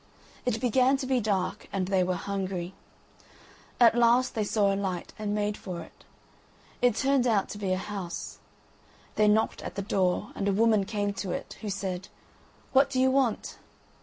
It began to be dark, and they were hungry. At last they saw a light and made for it; it turned out to be a house. They knocked at the door, and a woman came to it, who said: "What do you want?"